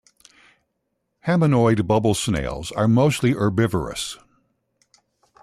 Haminoeid bubble snails are mostly herbivorous.